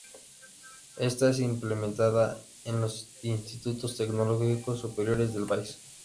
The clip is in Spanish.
Esta es implementada en los Institutos Tecnológicos Superiores del país.